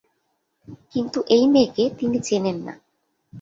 কিন্তু এই মেয়েকে তিনি চেনেন না।